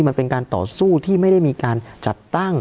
มันเป็นการต่อสู้ที่ไม่ได้มีการจัดตั้ง